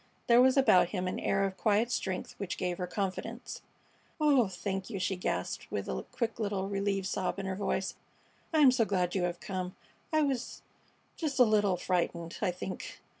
There was about him an air of quiet strength which gave her confidence. "Oh, thank you!" she gasped, with a quick little relieved sob in her voice. "I am so glad you have come. I was just a little frightened, I think."